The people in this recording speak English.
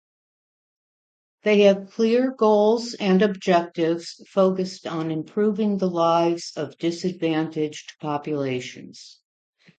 They have clear goals and objectives focused on improving the lives of disadvantaged populations.